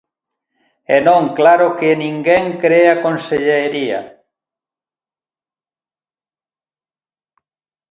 E non, claro que ninguén cre á Consellería.